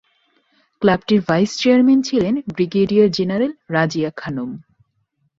ক্লাবটির vice chairman ছিলেন brigadier general Razia Khanam.